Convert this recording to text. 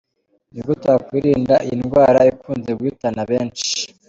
Ni gute wakwirinda iyi ndwara ikunze guhitana benshi?.